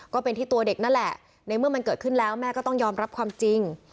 ก็เป็นที่ตัวเด็กนั่นแหละในเมื่อมันเกิดขึ้นแล้วแม่ก็ต้องยอมรับความจริง